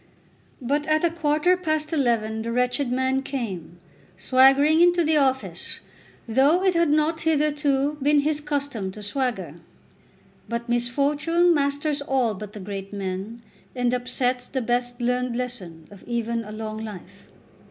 But at a quarter past eleven the wretched man came, swaggering into the office, though it had not, hitherto, been his custom to swagger. But misfortune masters all but the great men, and upsets the best learned lesson of even a long life.